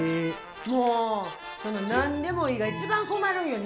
もう、そのなんでもいいが一番困るんよね。